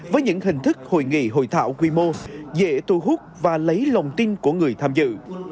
với những hình thức hội nghị hội thảo quy mô dễ thu hút và lấy lòng tin của người tham dự